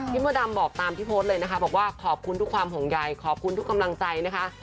มดดำบอกตามที่โพสต์เลยนะคะบอกว่าขอบคุณทุกความห่วงใยขอบคุณทุกกำลังใจนะคะ